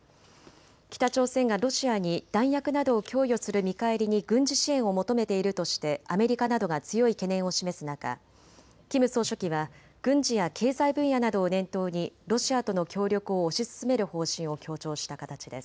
北朝鮮はロシアに弾薬などを供与する見返りに軍事支援を求めているとしてアメリカなどが強い懸念を示す中、キム総書記は軍事や経済分野などを念頭にロシアとの協力を推し進める方針を強調した形です。